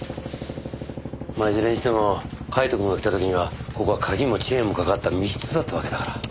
まあいずれにしてもカイトくんが来た時にはここは鍵もチェーンもかかった密室だったわけだから。